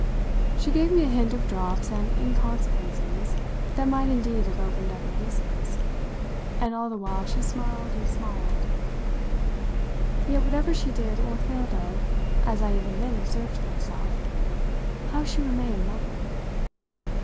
She gave me a hint of drops and inconsequences that might indeed have opened up abysses, and all the while she smiled and smiled. Yet whatever she did or failed of, as I even then observed to myself, how she remained lovely!